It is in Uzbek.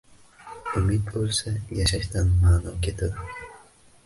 Umid o’lsa, yashashdan ma’no ketadi.